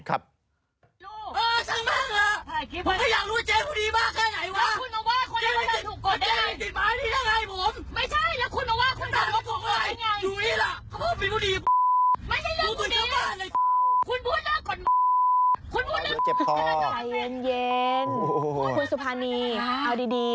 คุณสุภานีเอาดี